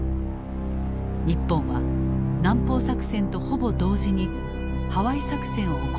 日本は南方作戦とほぼ同時にハワイ作戦を行う決断をした。